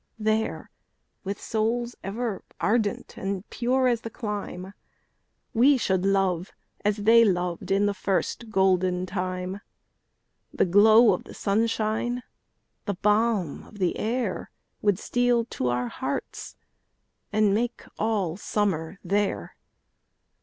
There, with souls ever ardent and pure as the clime, We should love, as they loved in the first golden time; The glow of the sunshine, the balm of the air, Would steal to our hearts, and make all summer there.